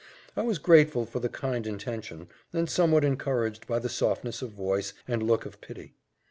I was grateful for the kind intention, and somewhat encouraged by the softness of voice, and look of pity.